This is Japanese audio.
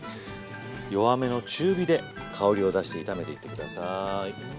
弱めの中火で香りを出して炒めていって下さい。